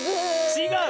ちがう！